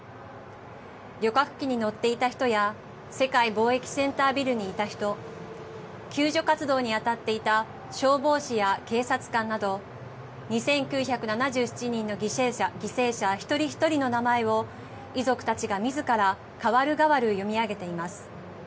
旅客機に乗っていた人や世界貿易センタービルにいた人救助活動に当たっていた消防士や警察官など２９７７人の犠牲者一人一人の名前を遺族たちがみずからかわるがわる読み上げています。